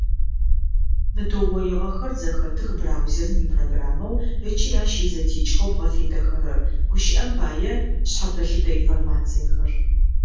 Мы тыугъоигъэхэр зэхэтых браузерым ипрограммэу ыкӏи ащ изэтекӏхэу бгъэфедэхэрэр, гущыӏэм пае, шъхьэпэлъытэ информациехэр.